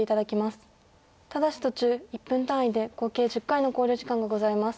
ただし途中１分単位で合計１０回の考慮時間がございます。